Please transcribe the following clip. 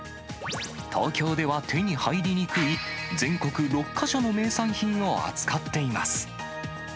東京では手に入りにくい、全国６か所の名産品を扱っています。